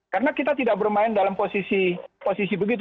karena kita tidak bermain dalam posisi begitu